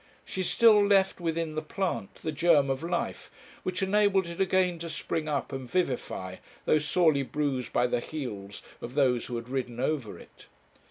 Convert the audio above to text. She still left within the plant the germ of life, which enabled it again to spring up and vivify, though sorely bruised by the heels of those who had ridden over it.